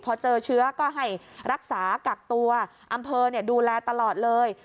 พอเจอเชื้อก็ให้รักษากักตัวอำเภอดูแลตลอดเลย